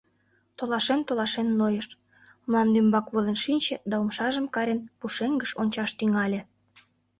Толашен-толашен нойыш, мландӱмбак волен шинче да, умшажым карен, пушеҥгыш ончаш тӱҥале.